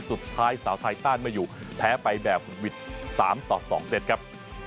สุดท้ายสาวไทยต้านไม่อยู่แพ้ไปแบบวิด๓ต่อ๒เซตครับ